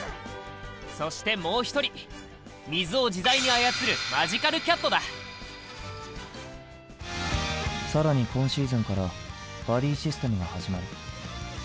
そしてもう一人水を自在に操る更に今シーズンからバディシステムが始まる。